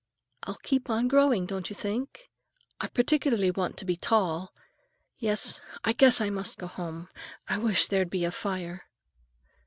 "I'll keep on growing, don't you think? I particularly want to be tall. Yes, I guess I must go home. I wish there'd be a fire."